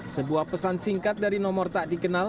sebuah pesan singkat dari nomor tak dikenal